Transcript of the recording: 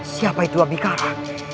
siapa itu nabi qara